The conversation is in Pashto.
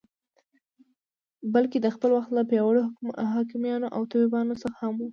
بلکې د خپل وخت له پیاوړو حکیمانو او طبیبانو څخه هم و.